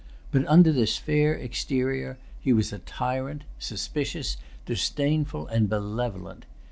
But under this fair exterior he was a tyrant, suspicious, disdainful, and malevolent.